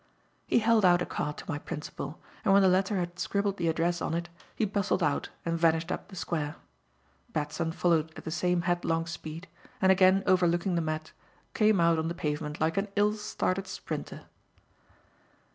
He held out a card to my principal, and when the latter had scribbled the address on it, he bustled out and vanished up the square. Batson followed at the same headlong speed, and, again overlooking the mat, came out on the pavement like an ill started sprinter.